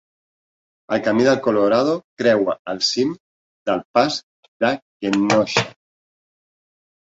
El camí del Colorado creua el cim del pas de Kenosha.